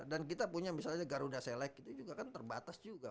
dan kita punya misalnya garuda select itu juga kan terbatas juga